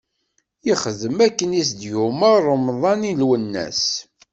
Ixdem akken i s-d-yumeṛ Remḍan i Lwennas.